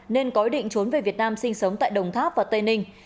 nên có ý định trốn về việt nam sinh sống tại đồng tháp và tây ninh